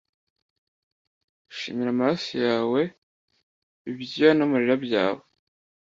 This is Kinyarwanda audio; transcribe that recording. Shimira amaraso yawe ibyuya n'amarira byawe